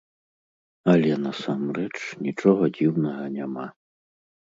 Але насамрэч нічога дзіўнага няма.